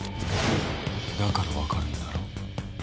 だから分かるんだろ。